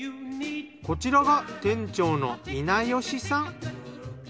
こちらが店長の稲吉さん。